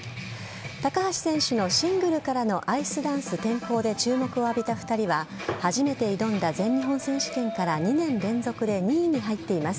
高橋選手の、シングルからのアイスダンス転向で注目を浴びた２人は初めて挑んだ全日本選手権から２年連続で２位に入っています。